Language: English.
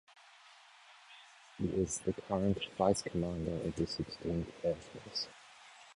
He is the current vice commander of the Sixteenth Air Force.